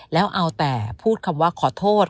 แล้วเอาแต่พูดคำว่าขอโทษ